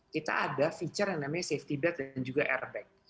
kita ada feature yang namanya safety bet dan juga airbag